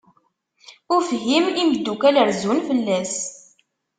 Ufhim, imeddukal rezzun fell-as.